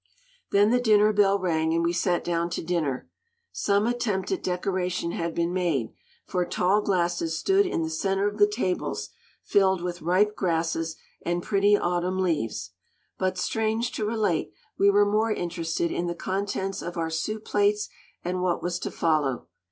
Then the dinner bell rang, and we sat down to dinner. Some attempt at decoration had been made, for tall glasses stood in the centre of the tables filled with ripe grasses and pretty autumn leaves, but, strange to relate, we were more interested in the contents of our soup plates and what was to follow.